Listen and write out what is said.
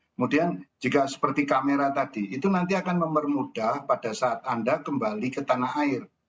kemudian jika seperti kamera tadi itu nanti akan mempermudah pada saat anda kembali ke tanah air